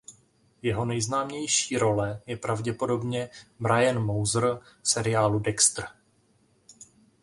Jeho nejznámější role je pravděpodobně Brian Moser v seriálu "Dexter".